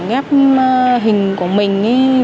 ghép hình của mình